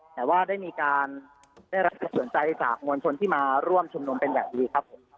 แต่ว่าได้มีการได้รับส่วนใจจากมวลชนที่มาร่วมชุมนมเป็นอย่างดีครับ